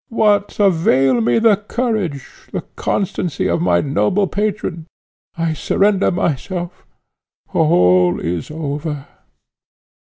What avail me the courage, the constancy of my noble patron? I surrender myself! All is over."